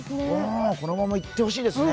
このままいってほしいですね。